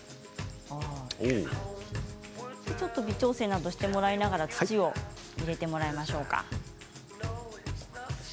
ちょっと微調整などをしていただきながら土を入れてもらいましょうか。